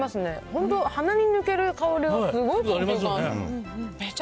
本当、鼻に抜ける香りがすごい。